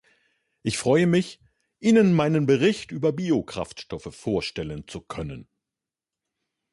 Ich freue mich, Ihnen meinen Bericht über Biokraftstoffe vorstellen zu können.